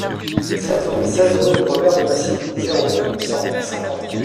seize rue Robert de Massy, zéro deux, cent Saint-Quentin